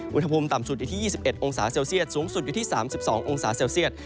อุณหภูมิต่ำสุดอยู่ที่๒๑องศาเซลเซียตสูงสุดอยู่ที่๓๒องศาเซลเซียต